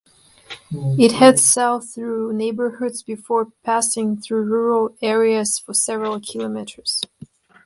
It heads south through neighbourhoods before passing through rural areas for several kilometres.